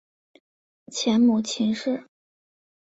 前母秦氏。